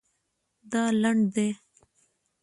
دا لنډ دی